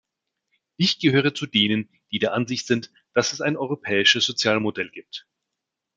Ich gehöre zu denen, die der Ansicht sind, dass es ein Europäisches Sozialmodell gibt.